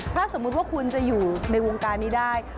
ถ้าสมมุติว่าคุณจะอยู่ในวงการนี้ได้